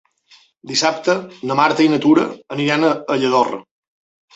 Dissabte na Marta i na Tura aniran a Lladorre.